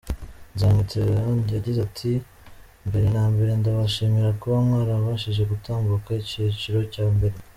Nzamwita yagize ati “Mbere na mbere ndabashimira kuba mwarabashije gutambuka icyiciro cya mbere.